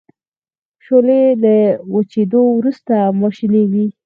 شولې له وچیدو وروسته ماشینیږي.